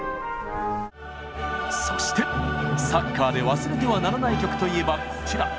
そしてサッカーで忘れてはならない曲といえばこちら。